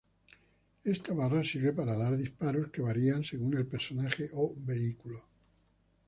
Esta barra sirve para dar disparos que varían según el personaje o vehículo.